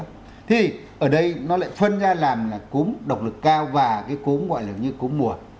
thì ở đây nó lại phân ra làm là cúm độc lực cao và cái cúm gọi là như cúm mùa